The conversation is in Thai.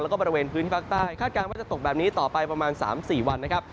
แล้วก็บริเวณพื้นที่ภาคใต้คาดการณ์ว่าจะตกแบบนี้ต่อไปประมาณ๓๔วันนะครับ